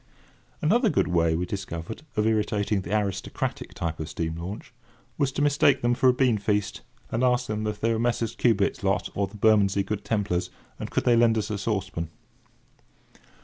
Another good way we discovered of irritating the aristocratic type of steam launch, was to mistake them for a beanfeast, and ask them if they were Messrs. Cubit's lot or the Bermondsey Good Templars, and could they lend us a saucepan.